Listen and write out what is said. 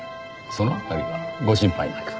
その辺りはご心配なく。